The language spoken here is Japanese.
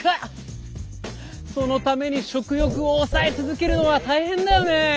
そのために食欲を抑え続けるのは大変だよね。